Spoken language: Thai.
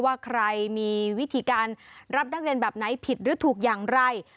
ว่าใครมีวิธีการรับนักเรียนแบบไหนผิดหรือถูกอย่างไร